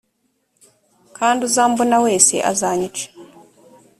kandi uzambona wese azanyica